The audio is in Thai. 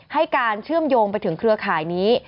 ให้การเชื่อมโยงไปถึงเครือข่ายนี้